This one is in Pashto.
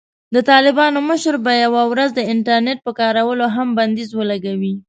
د طالبانو مشر به یوه ورځ د "انټرنېټ" پر کارولو هم بندیز ولګوي.